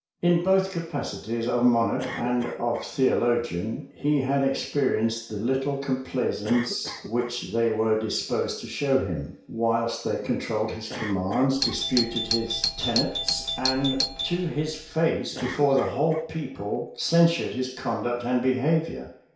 In both capacities, of monarch and of theologian, he had experienced the little complaisance which they were disposed to show him; whilst they controlled his commands, disputed his tenets, and to his face, before the whole people, censured his conduct and behavior.